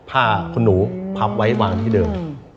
ผ้าคุณหนูพับไว้วางที่เดิม